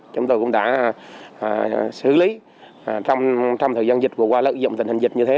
chúng tôi cũng đã xử lý trong thời gian dịch vừa qua lợi dụng tình hình dịch như thế